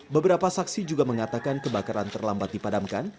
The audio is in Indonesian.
beberapa saksi juga mengatakan kebakaran terlambat dipadamkan